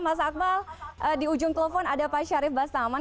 mas akmal di ujung telepon ada pak syarif bastaman